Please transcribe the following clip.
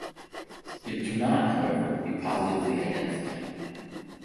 It can not, however, be positively identified.